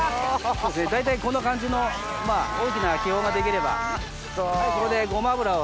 大体こんな感じの大きな気泡が出来ればここでゴマ油を。